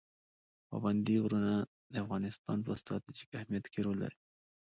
پابندي غرونه د افغانستان په ستراتیژیک اهمیت کې رول لري.